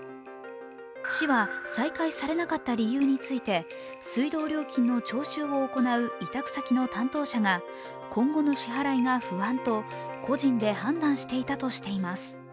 市は再開されなかった理由について水道料金の徴収を行う委託先の担当者が、今後の支払いが不安と個人で判断していたといいます。